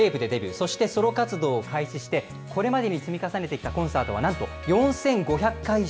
そしてソロ活動を開始して、これまでに積み重ねてきたコンサートはなんと４５００回以上。